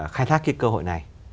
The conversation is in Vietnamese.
khai thác cơ hội này